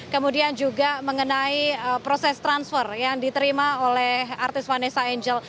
kemudian juga mengenai proses transfer yang diterima oleh artis vanessa angel